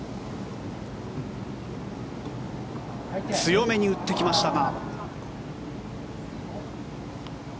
強めに打ってきましたが。